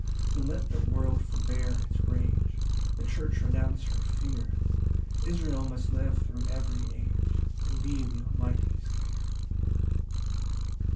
20 Then let the world forbear its rage, The church renounce her fear; Israel must live thro' every age, And be th' Almighty's care.